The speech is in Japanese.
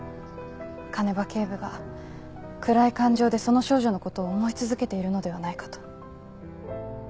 鐘場警部が暗い感情でその少女のことを思い続けているのではないかと。